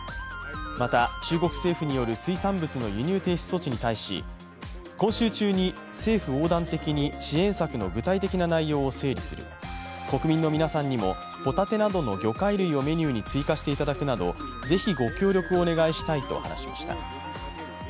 また、中国政府による水産物の輸入停止措置に対し今週中に政府横断的に支援策の具体的な内容を整理する、国民の皆さんにも、ホタテなどの魚介類をメニューに追加していただくなど、是非ご協力をお願いしたいと話しました。